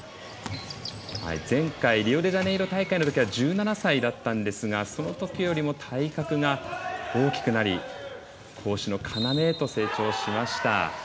前回リオデジャネイロ大会では１７歳だったんですがそのときよりも体格が大きくなり攻守の要へと成長しました。